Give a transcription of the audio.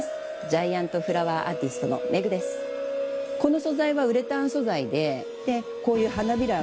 ジャイアントフラワーアーティストのＭＥＧＵです。